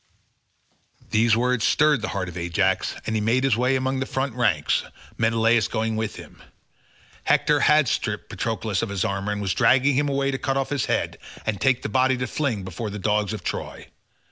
These words stirred the heart of Ajax, and he made his way among the front ranks, Menelaus going with him. Hector had stripped Patroclus of his armour, and was dragging him away to cut off his head and take the body to fling before the dogs of Troy.